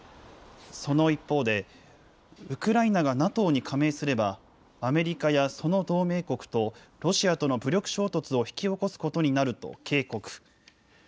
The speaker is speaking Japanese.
その一方で、ウクライナがＮＡＴＯに加盟すれば、アメリカやその同盟国と、ロシアとの武力衝突を引き起こすことになると警告。